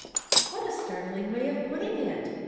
What a startling way of putting it